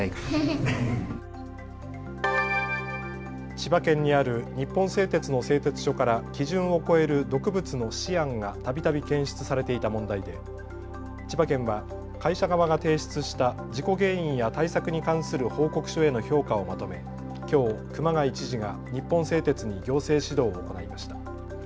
千葉県にある日本製鉄の製鉄所から基準を超える毒物のシアンがたびたび検出されていた問題で千葉県は会社側が提出した事故原因や対策に関する報告書への評価をまとめきょう熊谷知事が日本製鉄に行政指導を行いました。